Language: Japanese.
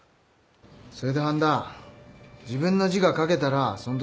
それで半田自分の字が書けたらそんときは。